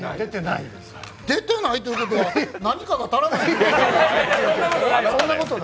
出てないということは何かが足りない。